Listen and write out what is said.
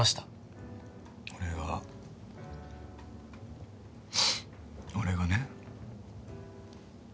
俺が俺がね。